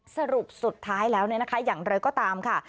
สรุปสุดท้ายแล้วอย่างไรก็ตามค่ะ